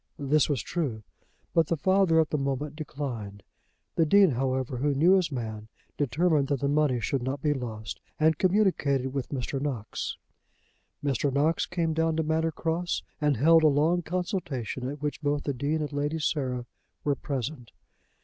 This was true, but the father at the moment declined. The Dean, however, who knew his man, determined that the money should not be lost, and communicated with Mr. Knox. Mr. Knox came down to Manor Cross and held a long consultation at which both the Dean and Lady Sarah were present.